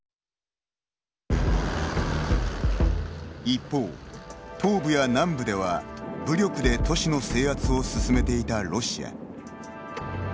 一方、東部や南部では、武力で都市の制圧を進めていたロシア。